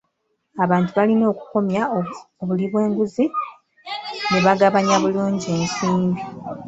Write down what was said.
Abantu balina okukomya obuli bw'enguzi ne bagabanya bulungi ensimbi.